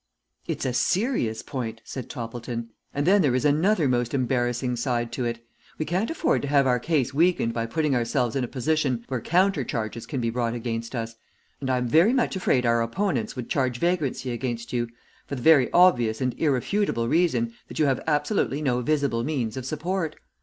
"It's a serious point," said Toppleton. "And then there is another most embarrassing side to it. We can't afford to have our case weakened by putting ourselves in a position where countercharges can be brought against us, and I am very much afraid our opponents would charge vagrancy against you, for the very obvious and irrefutable reason that you have absolutely no visible means of support.